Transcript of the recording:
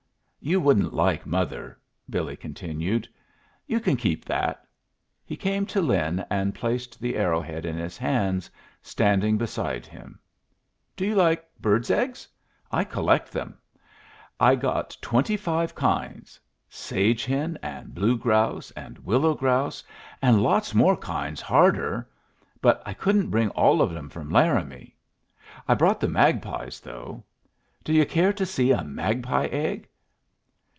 "You wouldn't like mother," Billy continued. "You can keep that." He came to Lin and placed the arrow head in his hands, standing beside him. "Do you like birds' eggs? I collect them. I got twenty five kinds sage hen, an' blue grouse, an' willow grouse, an' lots more kinds harder but I couldn't bring all them from Laramie. I brought the magpie's, though. D' you care to see a magpie egg?